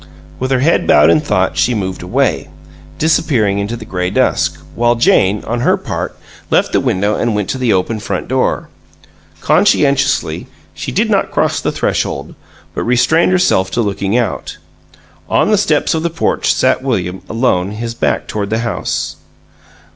With head bowed in thought she moved away, disappearing into the gray dusk, while Jane, on her part, left the window and went to the open front door. Conscientiously, she did not cross the threshold, but restrained herself to looking out. On the steps of the porch sat William, alone, his back toward the house.